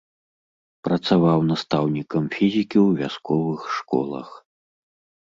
Працаваў настаўнікам фізікі ў вясковых школах.